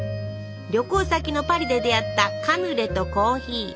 旅行先のパリで出会ったカヌレとコーヒー。